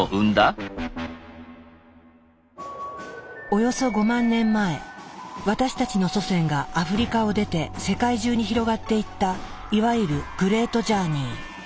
およそ５万年前私たちの祖先がアフリカを出て世界中に広がっていったいわゆるグレートジャーニー。